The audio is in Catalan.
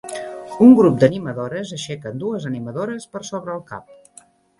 Un grup d'animadores aixequen dues animadores per sobre el cap